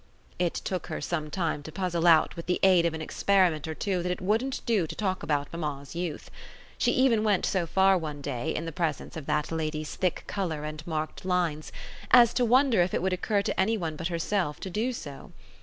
It took her some time to puzzle out with the aid of an experiment or two that it wouldn't do to talk about mamma's youth. She even went so far one day, in the presence of that lady's thick colour and marked lines, as to wonder if it would occur to any one but herself to do so.